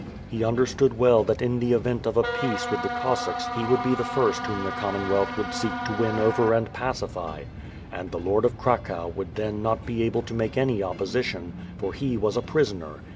He understood well that in the event of a peace with the Cossacks he would be the first whom the Commonwealth would seek to win over and pacify; and the Lord of Oacow would then not be able to make any opposition, for he w^as a prisoner.